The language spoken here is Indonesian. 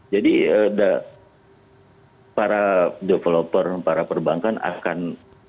jadi ada para developer para perbankan akan